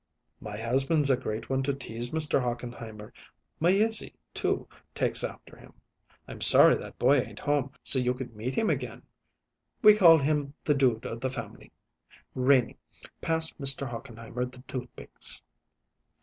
"My husband's a great one to tease, Mr. Hochenheimer. My Izzy too, takes after him. I'm sorry that boy ain't home, so you could meet him again. We call him the dude of the family. Renie, pass Mr. Hochenheimer the toothpicks."